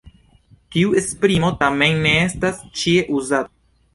Tiu esprimo tamen ne estas ĉie uzata.